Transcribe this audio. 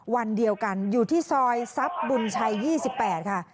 วันเดียวกันอยู่ที่ซอยทรัพย์บุญชัย๒๘ค่ะ